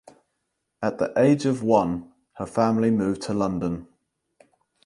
At the age of one her family moved to London.